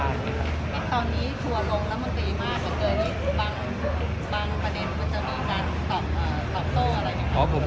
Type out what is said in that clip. ตอนนี้ชัวร์ลงแล้วมันตรีมากกว่าเกิดอีกบางประเด็นว่าจะมีการตอบโต้อะไรอย่างนี้